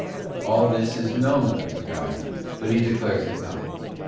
All this is known unto God, but He declares it not.